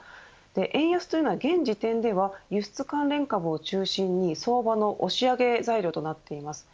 円安は、現時点では輸出関連株を中心に相場の押し上げ材料となっています。